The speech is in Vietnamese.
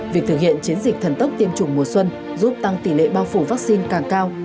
việc thực hiện chiến dịch thần tốc tiêm chủng mùa xuân giúp tăng tỷ lệ bao phủ vaccine càng cao